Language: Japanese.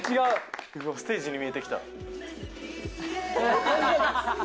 ステージに見えてきた。